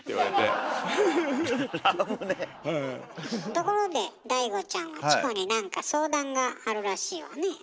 ところでチコに何か相談があるらしいわね。